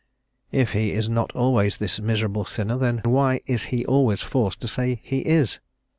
'_ If he is not always this miserable sinner, then why is he always forced to say he is?